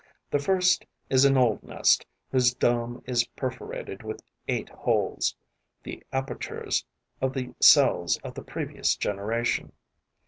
The first is an old nest whose dome is perforated with eight holes, the apertures of the cells of the previous generation.